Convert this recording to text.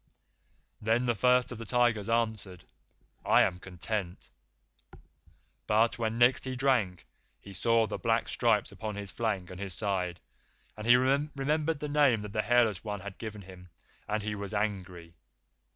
"Then the First of the Tigers answered, 'I am content'; but when next he drank he saw the black stripes upon his flank and his side, and he remembered the name that the Hairless One had given him, and he was angry.